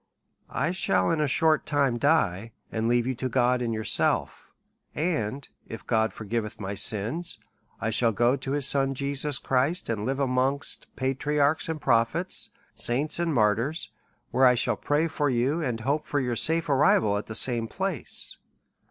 I shall in a short time die, and leave you to God and yourself; and if God forgiveth my sins, I shall go to his Son Jesus Christ, and live amongst patriarchs and prophets, saints and martyrs, where I shall pray for you, and hope for your safe arrival at the same place.